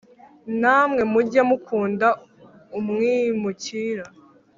Namwe mujye mukunda umwimukira,